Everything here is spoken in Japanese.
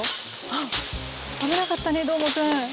あっ、危なかったね、どーもくん。